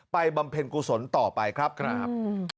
บำเพ็ญกุศลต่อไปครับครับ